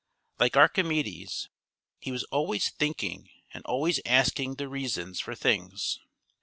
Like Archimedes he was always thinking and always asking the reasons for things.